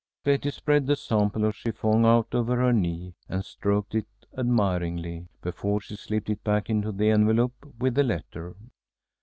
Betty spread the sample of chiffon out over her knee, and stroked it admiringly, before she slipped it back into the envelope with the letter.